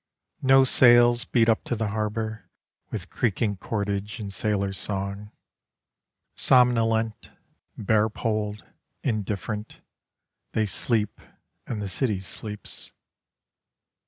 No sails beat up to the harbour, With creaking cordage and sailors' song. Somnolent, bare poled, indifferent, They sleep, and the city sleeps.